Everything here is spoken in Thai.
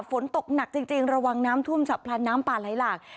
ฝนตกหนักจริงจริงระวังน้ำทุ่มสับผลาน้ำป่าไหล่หลาก